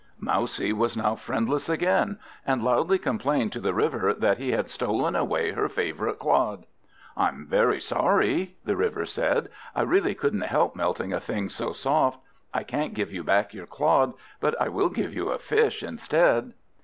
Mousie was now friendless again, and loudly complained to the River that he had stolen away her favourite Clod. "I am very sorry," the River said; "I really couldn't help melting a thing so soft. I can't give you back your Clod, but I will give you a Fish instead."